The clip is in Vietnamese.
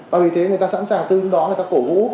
và vì thế người ta sẵn sàng từ lúc đó người ta cổ vũ